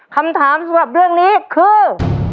คำถามสำหรับเรื่องนี้คือ